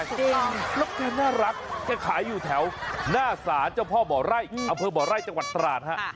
จริงแล้วคือน่ารักแกขายอยู่แถวหน้าศาลเจ้าพ่อบ่อไร่อำเภอบ่อไร่จังหวัดตราดฮะ